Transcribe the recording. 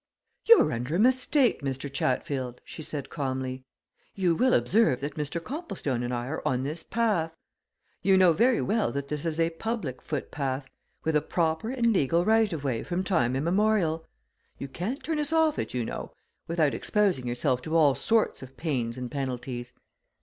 "You're under a mistake, Mr. Chatfield," she said calmly. "You will observe that Mr. Copplestone and I are on this path. You know very well that this is a public foot path, with a proper and legal right of way from time immemorial. You can't turn us off it, you know without exposing yourself to all sorts of pains and penalties.